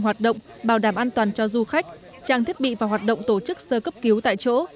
hoạt động bảo đảm an toàn cho du khách trang thiết bị và hoạt động tổ chức sơ cấp cứu tại chỗ